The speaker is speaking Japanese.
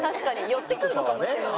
寄ってくるのかもしれないね。